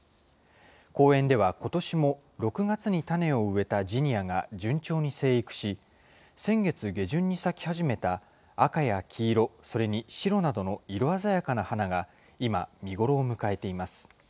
公園では、ことしも６月に種を植えたジニアが順調に生育し、先月下旬に咲き始めた赤や黄色、それに白などの色鮮やかな花が今、見頃を迎えています。